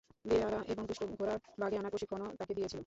বেয়াড়া এবং দুষ্ট ঘোড়া বাগে আনার প্রশিক্ষণও তাকে দিয়েছিল।